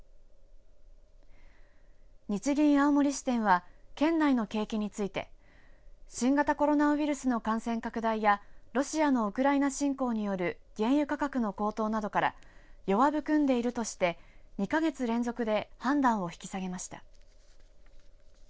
日銀青森支店は県内の景気について新型コロナウイルスの感染拡大やロシアのウクライナ侵攻による原油価格の高騰などから弱含んでいるとして２か月連続で判断を引き下げました。